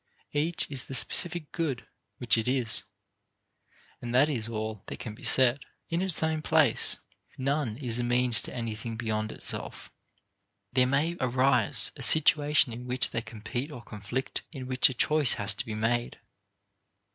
Each is the specific good which it is, and that is all that can be said. In its own place, none is a means to anything beyond itself. But there may arise a situation in which they compete or conflict, in which a choice has to be made.